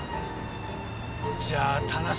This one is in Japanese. じゃあ棚